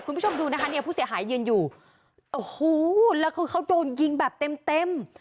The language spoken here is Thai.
คุณผู้ชมดูนะคะเนี่ยผู้เสียหายยืนอยู่โอ้โหแล้วคือเขาโดนยิงแบบเต็มเต็ม